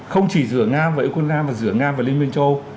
không chỉ giữa nga và ekula mà giữa nga và liên minh châu âu